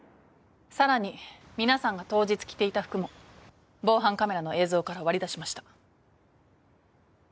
さらに皆さんが当日着ていた服も防犯カメラの映像から割り出しました。